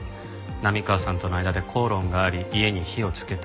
波川さんとの間で口論があり家に火をつけた。